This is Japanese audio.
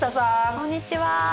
こんにちは。